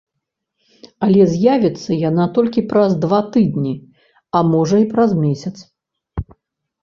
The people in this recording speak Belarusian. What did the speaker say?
Але з'явіцца яна толькі праз два тыдні, а можа і праз месяц.